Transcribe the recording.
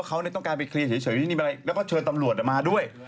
เออเพราะเขาต้องการไปเคลียร์เฉยแล้วก็เชิญตำรวจมาด้วย